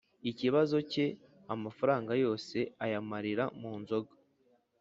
Ikibazo cye amafaranga yose ayamarira mu nzoga